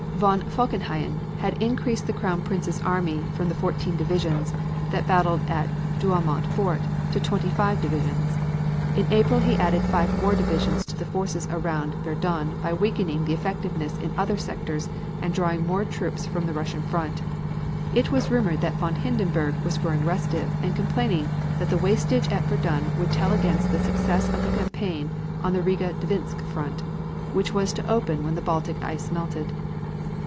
"Von Falkenhayn had increased the Crown Prince's army from the fourteen divisions that battled at Douaumont Fort to twenty five divisions. In April he added five more divisions to the forces around Verdun by weakening the effectives in other sectors and drawing more troops from the Russian front. It was rumored that von Hindenburg was growing restive and complaining that the wastage at Verdun would tell against the success of the campaign on the Riga Dvinsk front, which was to open when the Baltic ice melted.